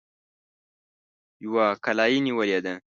يوه کلا يې نيولې ده.